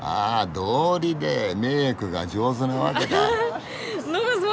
どうりでメークが上手なわけだ！